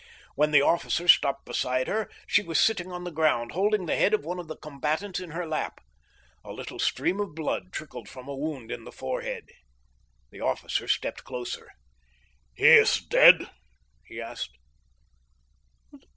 When the officer stopped beside her she was sitting on the ground holding the head of one of the combatants in her lap. A little stream of blood trickled from a wound in the forehead. The officer stooped closer. "He is dead?" he asked.